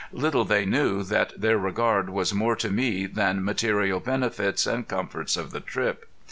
Little they knew that their regard was more to me than material benefits and comforts of the trip.